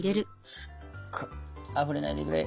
あふれないでくれ。